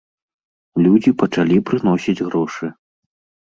Людзі пачалі прыносіць грошы.